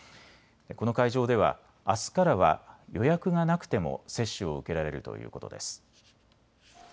この会場では、あすからは予約がなくても接種を受けられるということです。